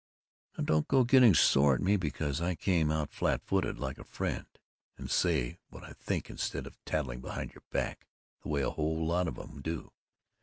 "Now don't go getting sore at me because I come out flatfooted like a friend and say what I think instead of tattling behind your back, the way a whole lot of 'em do.